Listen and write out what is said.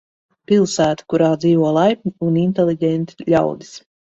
Pilsēta, kurā dzīvo laipni un inteliģenti ļaudis.